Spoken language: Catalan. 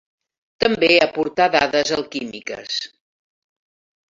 També aportà dades alquímiques.